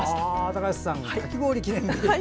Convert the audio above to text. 高橋さん、かき氷記念日。